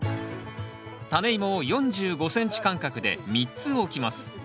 タネイモを４５ｃｍ間隔で３つ置きます。